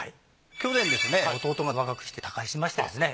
去年ですね弟が若くして他界しましてですね